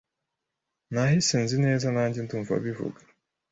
Nahise nzi neza nanjye ndumva bivuga